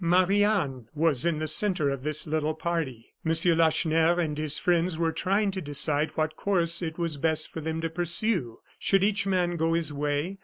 Marie Anne was in the centre of this little party. M. Lacheneur and his friends were trying to decide what course it was best for them to pursue. Should each man go his way?